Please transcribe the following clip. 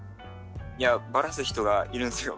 いやバラす人がいるんすよ。